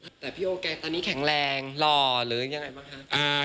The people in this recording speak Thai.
แต่พี่โอแกตอนนี้แข็งแรงหล่อหรือยังไงบ้างคะ